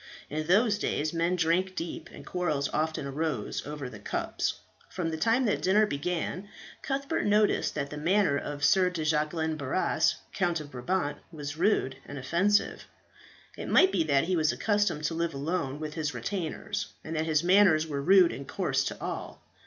In those days men drank deep, and quarrels often arose over the cups. From the time that the dinner began, Cuthbert noticed that the manner of Sir de Jacquelin Barras, Count of Brabant, was rude and offensive. It might be that he was accustomed to live alone with his retainers, and that his manners were rude and coarse to all.